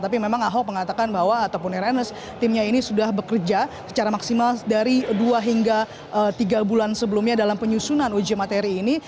tapi memang ahok mengatakan bahwa ataupun ernest timnya ini sudah bekerja secara maksimal dari dua hingga tiga bulan sebelumnya dalam penyusunan uji materi ini